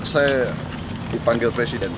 ya saya dipanggil presiden